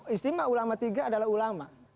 istimewa ulama tiga adalah ulama